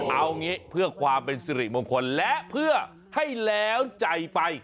เอางี้เพื่อความเป็นสิริมงคลและเพื่อให้แล้วใจไป